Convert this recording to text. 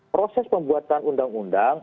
proses pembuatan undang undang